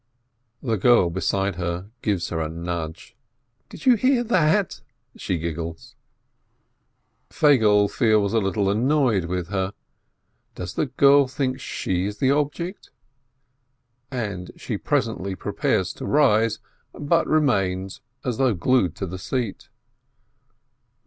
The girl beside her gives her a nudge. "Did you hear that?" she giggles. 496 ASCH Feigele feels a little annoyed with her. Does the girl think she is the object? And she presently pre pares to rise, but remains, as though glued to the seat.